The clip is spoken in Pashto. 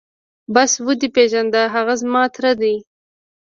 بس ودې پېژاند هغه زما تره دى.